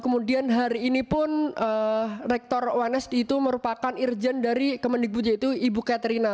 kemudian hari ini pun rektor unsd itu merupakan irjen dari kemendikbud yaitu ibu katrina